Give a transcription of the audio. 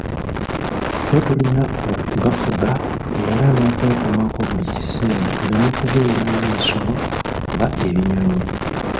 Ffe tulina okugafuga era n'okwekomako buli kiseera tuleme kubeera nga bisolo oba ebinyonyi.